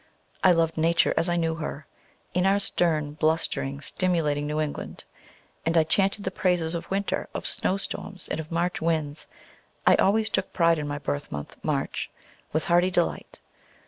I loved Nature as I knew her, in our stern, blustering, stimulating New England, and I chanted the praises of Winter, of snow storms, and of March winds (I always took pride in my birth month, March), with hearty delight.